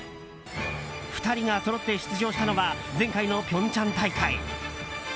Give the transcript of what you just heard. ２人がそろって出場したのは前回の平昌大会。